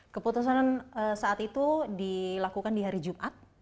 keputusan saat itu dilakukan di hari jumat